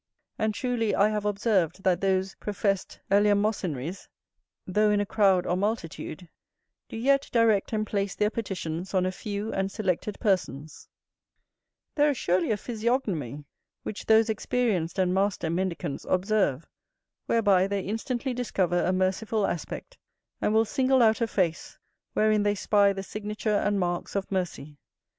And truly I have observed that those professed eleemosynaries, though in a crowd or multitude, do yet direct and place their petitions on a few and selected persons; there is surely a physiognomy, which those experienced and master mendicants observe, whereby they instantly discover a merciful aspect, and will single out a face, wherein they spy the signature and marks of mercy.